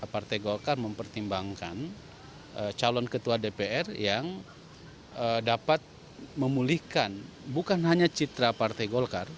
partai golkar mempertimbangkan calon ketua dpr yang dapat memulihkan bukan hanya citra partai golkar